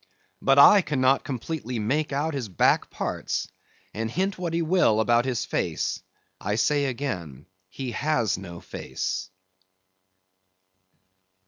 But I cannot completely make out his back parts; and hint what he will about his face, I say again he has no face.